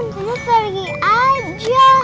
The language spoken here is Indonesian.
kamu pergi aja